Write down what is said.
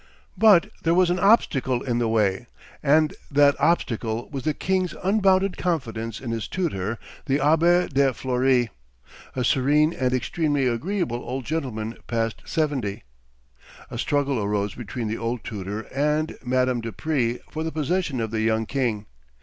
But there was an obstacle in the way; and that obstacle was the king's unbounded confidence in his tutor, the Abbé de Fleury, a serene and extremely agreeable old gentleman past seventy. A struggle arose between the old tutor and Madame de Prie for the possession of the young king.